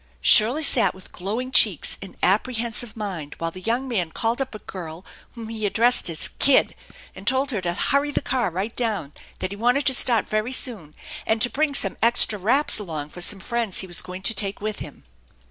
Shirley sat with glowing cheeks and apprehensive mind while the young man called up a girl whom he addressed as "Kid" and told her to hurry the car right down, that he wanted to start very soon, and to bring some extra wraps along for some friends he was going to take with him.